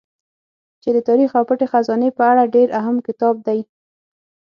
چې د تاريڅ او پټې خزانې په اړه ډېر اهم کتاب دی